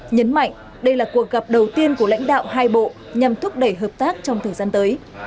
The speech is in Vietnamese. nhấn mạnh đây là cuộc gặp đầu tiên của lãnh đạo hai bộ nhằm thúc đẩy hợp tác trong thời gian tới